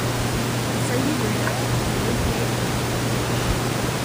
Il s'agit de leur à l'Holiday Bowl.